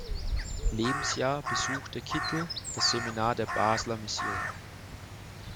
Lebensjahr besuchte Kittel das Seminar der Basler Mission.